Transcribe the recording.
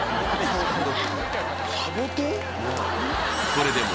それでも